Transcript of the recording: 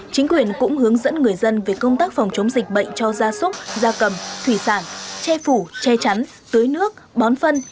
chính quyền cũng hướng dẫn người dân về công tác phòng chống dịch bệnh cho gia súc gia cầm thủy sản che phủ che chắn tưới nước bón phân